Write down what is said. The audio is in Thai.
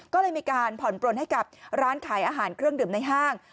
ก็เลยมีการผ่อนปลนให้กับร้านขายอาหารเครื่องดื่มในห้าง